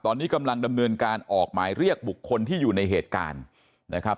ตอนนี้กำลังดำเนินการออกหมายเรียกบุคคลที่อยู่ในเหตุการณ์นะครับ